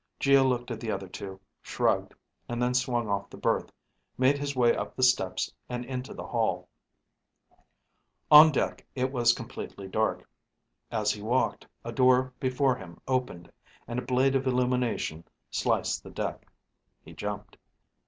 Geo looked at the other two, shrugged, and then swung off the berth, made his way up the steps and into the hall. On deck it was completely dark. As he walked, a door before him opened and a blade of illumination sliced the deck. He jumped.